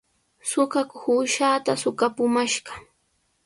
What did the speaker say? Suqakuq uushaata suqapumashqa.